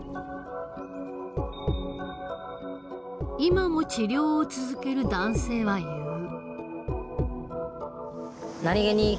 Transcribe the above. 今も治療を続ける男性は言う。